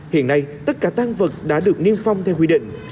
hiện nay tất cả tan vật đã được niêm phong theo quy định